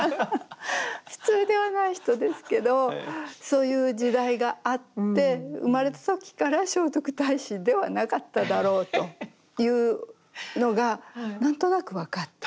普通ではない人ですけどそういう時代があって生まれた時から聖徳太子ではなかっただろうというのが何となく分かって。